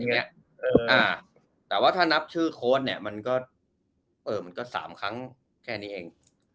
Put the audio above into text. แต่ว่าถ้านับชื่อโค้ดเนี่ยมันก็เออมันก็๓ครั้งแค่นี้เอง